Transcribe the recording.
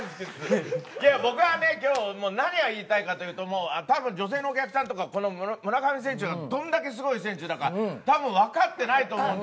いや僕はね今日何が言いたいかというと多分女性のお客さんとかこの村上選手がどんだけすごい選手だか多分わかってないと思うんで。